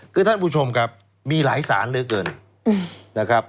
คือท่านผู้ชมครับมีหลายสารเลยเกิน